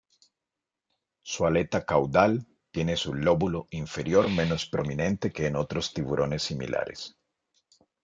Su aleta caudal tiene su lóbulo inferior menos prominente que en otros tiburones similares.